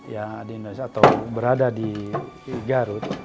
ya di indonesia atau berada di garut